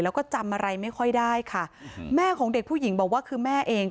แล้วก็จำอะไรไม่ค่อยได้ค่ะแม่ของเด็กผู้หญิงบอกว่าคือแม่เอง